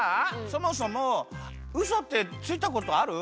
そもそもウソってついたことある？